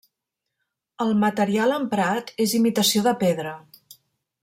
El material emprat és imitació de pedra.